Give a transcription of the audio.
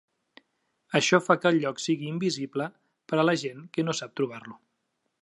Això fa que el lloc sigui invisible per a la gent que no sap trobar-lo.